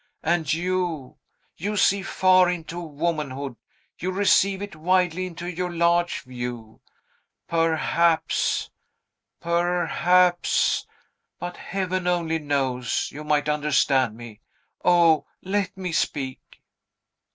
And you you see far into womanhood; you receive it widely into your large view. Perhaps perhaps, but Heaven only knows, you might understand me! O, let me speak!"